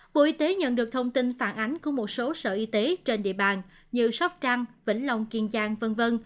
bộ y tế nhận được thông tin phản ánh của một số sở y tế trên địa bàn như sóc trăng vĩnh long kiên giang v v